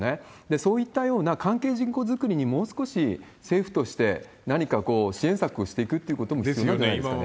そういったような関係人口作りに、もう少し政府としてなにかこう、支援策をしていくっていうことも必要なんじゃないですかね。